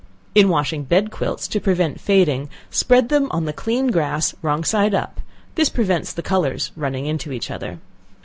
In washing bed quilts, to prevent fading, spread them on the clean grass wrong side up, this prevents the colors running into each other.